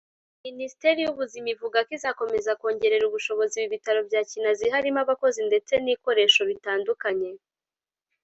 Minisiteri y’ubuzima ivuga ko izakomeza kongerera ubushobozi ibi bitaro bya Kinazi harimo abakozi ndetse n’ikoresho bitandukanye